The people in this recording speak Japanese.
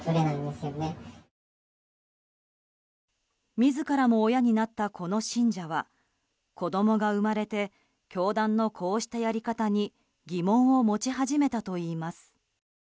自らも親になったこの信者は子供が生まれて教団のこうしたやり方に疑問を持ち始めたといいます。